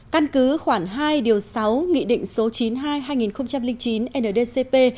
căn cứ khoảng hai điều sáu nghị định số chín mươi hai hai nghìn chín ndcp